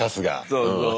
そうそう。